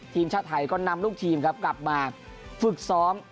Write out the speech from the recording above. ทีมชาติไทยก็นำลูกทีมครับกลับมาฝึกซ้อม